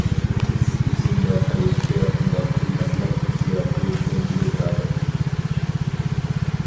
ئېسىمدە قىلىشىچە ئۇنداق ئىللىقلىق ھېسسىياتى شۇنچىلىك راھەت ئىدى.